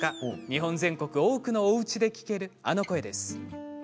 日本全国、多くのおうちで聞けるあの声です。